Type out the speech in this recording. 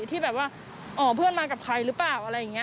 ที่แบบว่าอ๋อเพื่อนมากับใครหรือเปล่าอะไรอย่างนี้